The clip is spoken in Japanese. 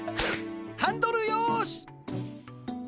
ハンドルよし。